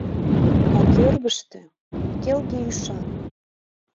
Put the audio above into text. А кӧргыштӧ — келге ӱшан.